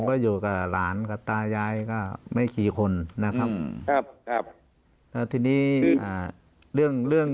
ก็อยู่กับหลานกับตาย้ายก็ไม่คีย์คนนะครับทีนี้เรื่องเรื่อง